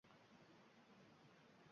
Insonlar umriga zomin boʻldi